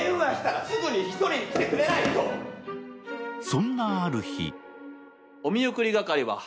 そんなある日。